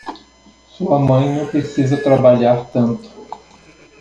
Sua mãe não precisa trabalhar tanto.